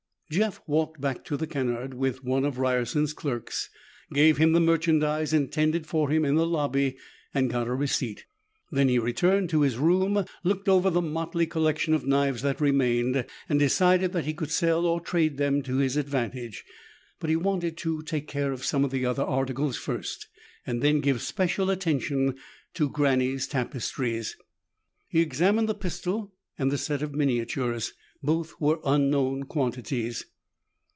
Jeff walked back to the Kennard with one of Ryerson's clerks, gave him the merchandise intended for him in the lobby and got a receipt. Then he returned to his room, looked over the motley collection of knives that remained, and decided that he could sell or trade them to his advantage. But he wanted to take care of some of the other articles first and then give special attention to Granny's tapestries. He examined the pistol and the set of miniatures. Both were unknown quantities.